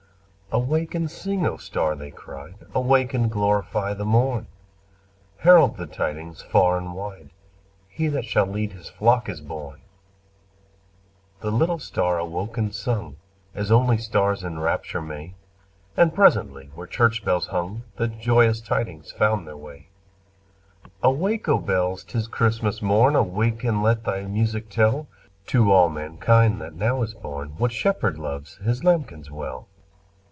"Awake and sing, O star!" they cried. "Awake and glorify the morn! Herald the tidings far and wide He that shall lead His flock is born!" The little star awoke and sung As only stars in rapture may, And presently where church bells hung The joyous tidings found their way. [Illustration: Share thou this holy time with me, The universal hymn of love. ] "Awake, O bells! 't is Christmas morn Awake and let thy music tell To all mankind that now is born What Shepherd loves His lambkins well!"